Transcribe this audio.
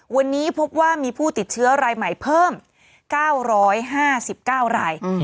วันนี้พบว่ามีผู้ติดเชื้อรายใหม่เพิ่มเก้าร้อยห้าสิบเก้ารายอืม